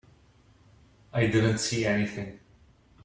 I didn't see anything.